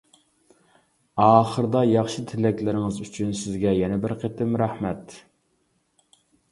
ئاخىرىدا ياخشى تىلەكلىرىڭىز ئۈچۈن سىزگە يەنە بىر قېتىم رەھمەت!